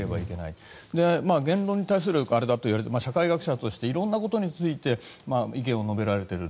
言論に対するものといわれていて社会学者として、いろんなことに意見を述べられている。